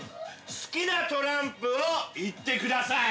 ◆好きなトランプを言ってください。